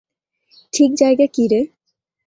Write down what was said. ঠিক জায়গা কী রে!